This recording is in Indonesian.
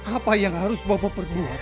apa yang harus bapak perbuat